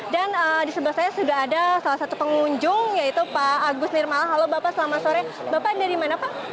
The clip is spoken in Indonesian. dan di sebelah saya sudah ada salah satu pengunjung yaitu pak agus nirmala halo bapak selamat sore bapak dari mana pak